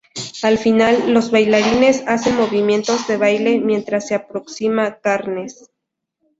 Al final, los bailarines hacen movimientos de baile mientras se aproximaba Carnes.